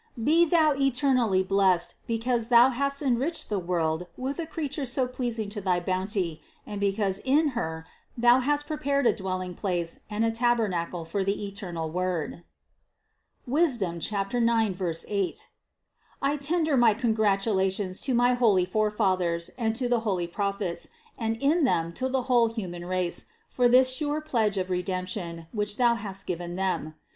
Be Thou eternally blessed, because Thou hast enriched the world with a Creature so pleasing to thy bounty and because in Her Thou hast prepared a dwell ing place and a tabernacle for the eternal Word (Sap. 9, 8). I tender my congratulations to my holy forefathers and to the holy Prophets, and in them to the whole human race, for this sure pledge of Redemption, which Thou hast given them.